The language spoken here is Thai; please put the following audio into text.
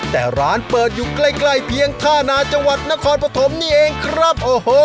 แต่ร้านเปิดอยู่ใกล้เพียงท่านาจังหวัดนครปฐมนี่เองครับโอ้โห